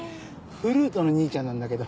フルートの兄ちゃんなんだけど。